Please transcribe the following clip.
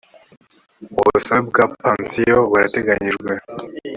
ubusabwe bwa pansiyo burateganijwe